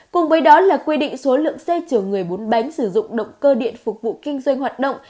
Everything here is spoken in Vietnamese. cùng với đó là quy định số lượng xe chở người bốn bánh sử dụng động cơ điện phục vụ kinh doanh hoạt động